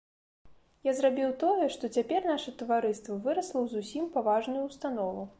Я зрабіў тое, што цяпер наша таварыства вырасла ў зусім паважную ўстанову.